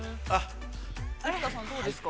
◆生田さん、どうですか。